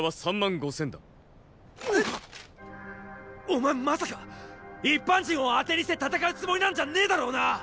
お前まさか一般人をあてにして戦うつもりなんじゃねェだろうなっ！